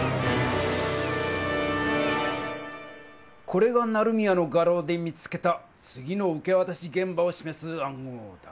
これが成宮の画廊で見つけた次の受けわたしげん場をしめす暗号だ。